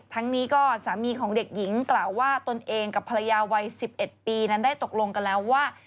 ทั้งนี้ก็สามีของเด็กหญิงกล่าวว่าตนเองกับภรรยาวัย๑๑ปีนั้นได้ตกลงกันแล้วว่า